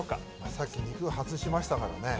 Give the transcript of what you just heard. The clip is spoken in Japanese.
さっき肉外しましたもんね。